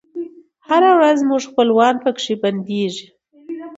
هره ورځ به زموږ خپلوان پکښي بندیږی